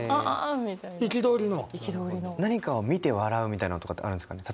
何かを見て笑うみたいなのとかってあるんですかね？